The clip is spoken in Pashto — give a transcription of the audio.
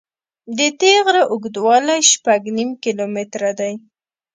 د دې غره اوږدوالی شپږ نیم کیلومتره دی.